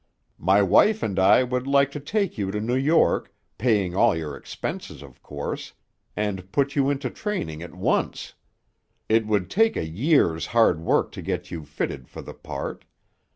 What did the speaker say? My wife and I would like to take you to New York, paying all your expenses, of course, and put you into training at once. It would take a year's hard work to get you fitted for the part.